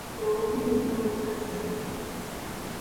Obubiri nga bukazi.